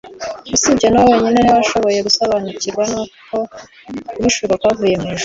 usibye Yohana wenyine ni we washoboye gusobanukirwa n'uko guhishurwa kuvuye mw'ijuru